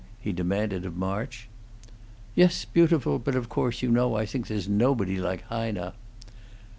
he demanded of March. "Yes, beautiful; but, of course, you know I think there's nobody like Heine!"